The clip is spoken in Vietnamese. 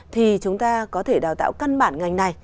thì chúng ta có thể đào tạo căn bản ngành này